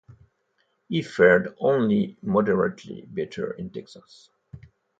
He fared only moderately better in Texas.